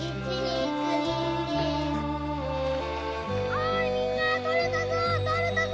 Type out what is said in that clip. おいみんな取れたぞ！